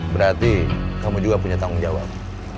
berarti kamu juga punya tanggung jawab